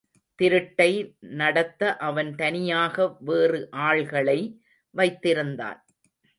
திருட்டை நடத்த அவன் தனியாக வேறு ஆள்களை வைத்திருந்தான்.